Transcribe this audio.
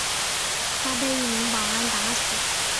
他被一名保安打死。